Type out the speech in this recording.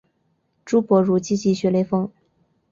朱伯儒积极学雷锋。